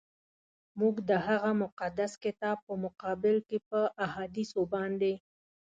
موږ د هغه مقدس کتاب په مقابل کي په احادیثو باندي.